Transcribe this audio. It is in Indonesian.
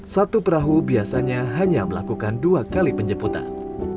satu perahu biasanya hanya melakukan dua kali penjemputan